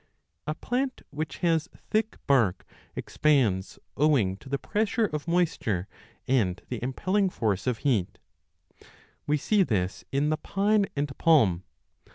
82g a A plant which has thick bark expands owing to the pressure of moisture and the impelling force of heat ; we see this in the pine and palm.